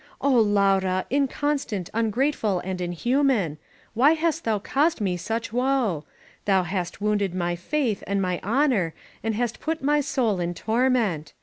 ^^Ohy Laura, inconstant, ungrateful and inhuman, why hast thou caused me such woe? Thou hast wounded my faith and my honor and hast put my soul in torment.